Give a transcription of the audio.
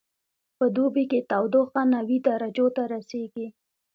په دوبي کې تودوخه نوي درجو ته رسیږي